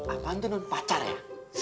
apaan itu nun pacar ya